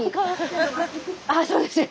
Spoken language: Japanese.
あっそうですよね